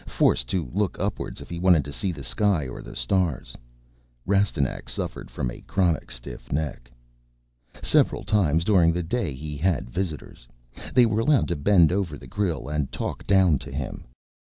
Forced to look upwards if he wanted to see the sky or the stars, Rastignac suffered from a chronic stiff neck. Several times during the day he had visitors. They were allowed to bend over the grille and talk down to him.